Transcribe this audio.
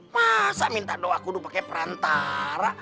masa minta doa kudu pakai perantara